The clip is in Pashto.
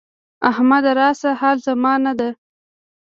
احمد راشه حال زمانه ده.